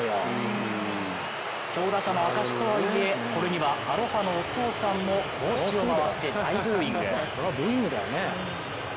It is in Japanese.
強打者の証しとはいえこれにはアロハのお父さんも帽子を回して大ブーイング。